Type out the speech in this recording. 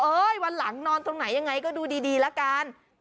วันหลังนอนตรงไหนยังไงก็ดูดีละกัน